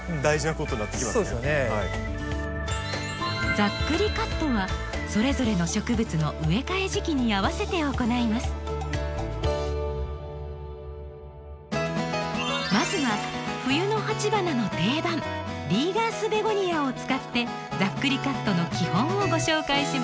ざっくりカットはそれぞれのまずは冬の鉢花の定番リーガースベゴニアを使ってざっくりカットの基本をご紹介します。